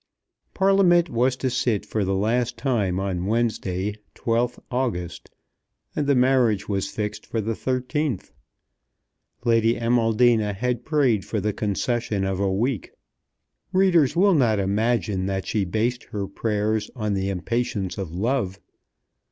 Parliament was to sit for the last time on Wednesday, 12th August, and the marriage was fixed for the 13th. Lady Amaldina had prayed for the concession of a week. Readers will not imagine that she based her prayers on the impatience of love.